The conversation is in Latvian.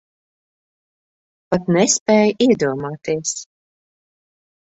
Pat nespēj iedomāties.